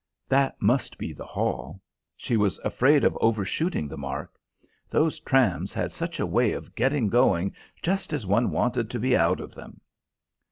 That must be the hall. She was afraid of over shooting the mark. Those trams had such a way of getting going just as one wanted to be out of them!